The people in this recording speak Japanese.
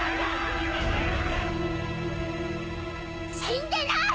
死んでない！